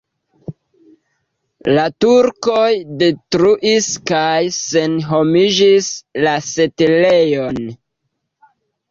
La turkoj detruis kaj senhomigis la setlejon.